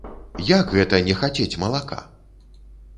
Як гэта не хацець малака!